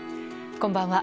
こんばんは。